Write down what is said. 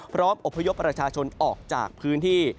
อบพยพประชาชนออกจากพื้นที่